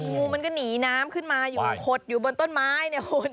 งูมันก็หนีน้ำขึ้นมาอยู่ขดอยู่บนต้นไม้เนี่ยคุณ